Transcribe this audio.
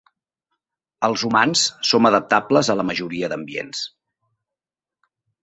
Els humans som adaptables a la majoria d'ambients.